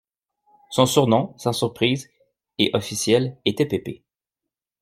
Son surnom, sans surprise et officiel, était Pépé.